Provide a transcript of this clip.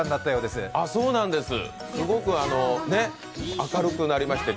すごく明るくなりまして。